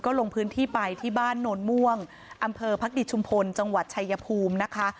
ลงพื้นที่ไปที่บ้านโนนม่วงอำเภอภักดิชุมพลจังหวัดชายภูมินะคะ